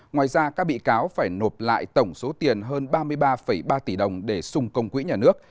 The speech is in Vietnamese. ngoài ra các bị cáo phải nộp lại tổng số tiền hơn ba mươi ba ba tỷ đồng để xung công quỹ nhà nước